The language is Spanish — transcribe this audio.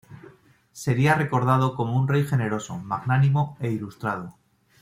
Sería recordado como un rey generoso, magnánimo e ilustrado.